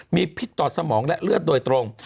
มีพิษต่อสมองและเลือดโดยตรง